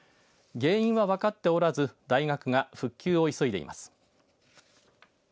原因は、分かっておらず大学が復旧を急いでいます。